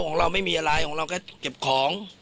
ของเราไม่มีอะไรของเราก็เก็บของ